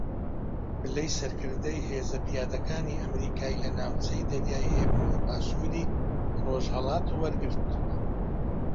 پلەی سەرکردەی ھێزە پیادەکانی ئەمریکای لە ناوچەی دەریای ھێمن و باشووری ڕۆژھەڵات وەرگرتووە